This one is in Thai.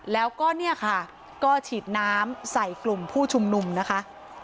แล้วก็เนี่ยค่ะก็ฉีดน้ำใส่กลุ่มผู้ชุมนุมนะคะ